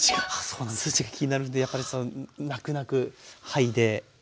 数値が気になるんでやっぱねなくなく剥いでですね。